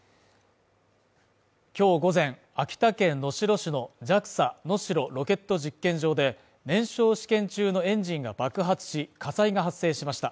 今日午前、秋田県能代市のＪＡＸＡ能代ロケット実験場で燃焼試験中のエンジンが爆発し、火災が発生しました。